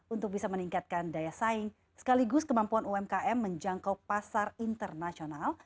untuk bisa meningkatkan daya saing sekaligus kemampuan umkm menjangkau pasar internasional